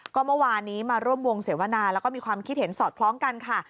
ก็เมื่อวานนี้มาร่วมวงเสวนาแล้วก็มีความคิดเห็นสอดคล้องกันค่ะ